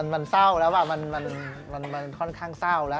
มันเศร้าแล้วมันค่อนข้างเศร้าแล้ว